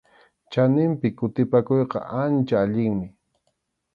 Chaninpi kutipakuyqa ancha allinmi.